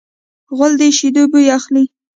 غول د شیدو بوی اخلي.